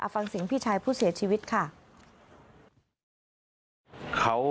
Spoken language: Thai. ฟังเสียงพี่ชายผู้เสียชีวิตค่ะ